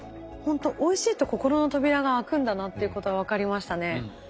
ほんとおいしいと心の扉が開くんだなっていうことが分かりましたね。